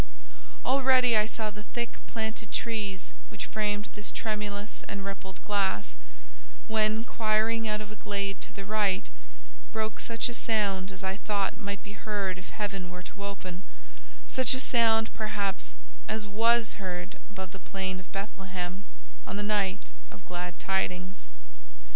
Already I saw the thick planted trees which framed this tremulous and rippled glass, when, choiring out of a glade to the right, broke such a sound as I thought might be heard if Heaven were to open—such a sound, perhaps, as was heard above the plain of Bethlehem, on the night of glad tidings.